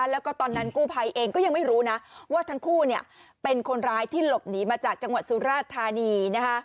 แล้วก็ตอนนั้นกู้ภัยเองก็ยังไม่รู้นะว่าทั้งคู่เป็นคนร้ายที่หลบหนีมาจากจังหวัดสุราชธานี